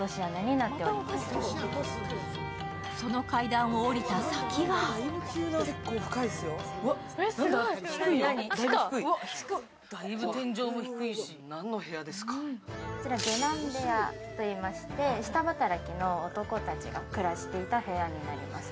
その階段を下りた先はこちら下男部屋といいまして、下働きの男たちが暮らしていた部屋になります。